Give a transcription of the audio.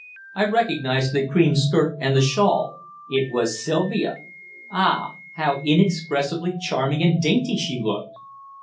I recognized the cream skirt and the shawl. It was Sylvia! Ah! how inexpressibly charming and dainty she looked!